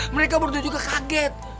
mereka berdua juga kaget